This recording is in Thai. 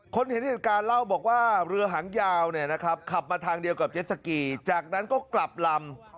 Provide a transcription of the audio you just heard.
เห็นเหตุการณ์เล่าบอกว่าเรือหางยาวขับมาทางเดียวกับเจ็ดสกีจากนั้นก็กลับลำ